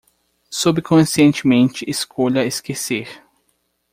Subconscientemente escolha esquecer